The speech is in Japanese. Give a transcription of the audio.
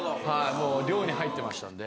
もう寮に入ってましたんで。